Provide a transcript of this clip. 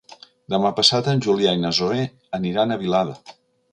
Demà passat en Julià i na Zoè aniran a Vilada.